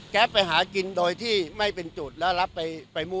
ไปหากินโดยที่ไม่เป็นจุดแล้วรับไปมั่